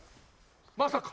まさか。